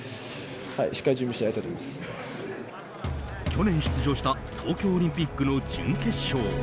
去年出場した東京オリンピックの準決勝。